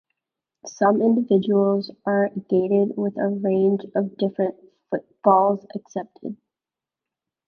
Some individuals are gaited, with a range of different footfalls accepted.